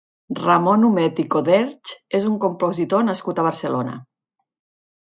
Ramon Humet i Coderch és un compositor nascut a Barcelona.